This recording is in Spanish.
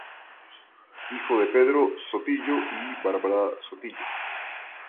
Hijo de Pedro Sotillo y Bárbara Sotillo.